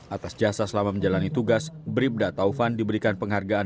atas jasa selama menjalani tugas bribda taufan diberikan penghargaan